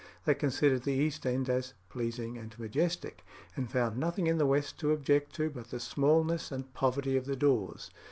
They considered the east end as "pleasing and majestic," and found nothing in the west to object to but the smallness and poverty of the doors.